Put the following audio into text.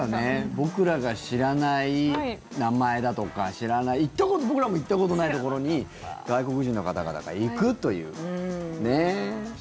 僕らが知らない名前だとか僕らも行ったことないところに外国人の方々が行くというね。